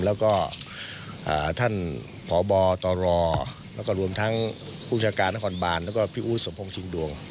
แล้วก็ท่านพบตรแล้วก็รวมทั้งผู้จัดการนครบานแล้วก็พี่อู๊ดสมพงษ์ชิงดวง